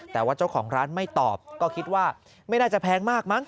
แต่ว่าเจ้าของร้านไม่ตอบก็คิดว่าไม่น่าจะแพงมากมั้